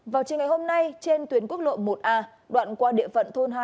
vào chiều ngày hôm nay trên tuyến quốc lộ một a đoạn qua địa phận thôn hai